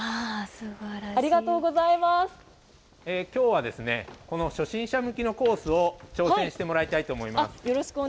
ありがとうごきょうはですね、この初心者向きのコースを挑戦してもらいたいと思います。